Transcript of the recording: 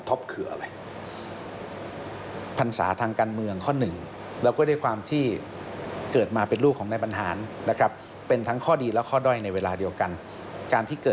ท็อปคิดว่าจุดอ่อนของท็อปคืออะไร